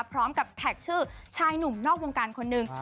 พร้อมกับแท็กชื่อชายหนุ่มนอกวงการคนหนึ่ง